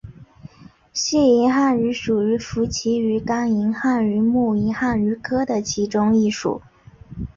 细银汉鱼属为辐鳍鱼纲银汉鱼目银汉鱼科的其中一属。